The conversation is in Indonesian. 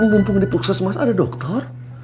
mumpung di proses mas ada dokter